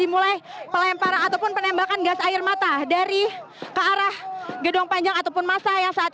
mulai pelemparan ataupun penembakan gas air mata dari ke arah gedung panjang ataupun masa yang saat